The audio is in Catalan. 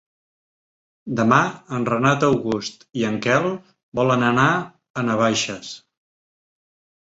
Demà en Renat August i en Quel volen anar a Navaixes.